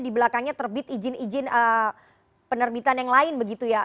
di belakangnya terbit izin izin penerbitan yang lain begitu ya